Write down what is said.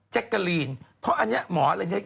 แจ๊กกะลีนเพราะอันนี้หมออะไร